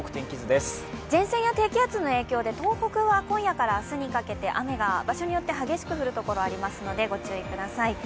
前線や低気圧の影響で東北は今夜から明日にかけて雨が場所によって激しく降るところがありますので御注意ください。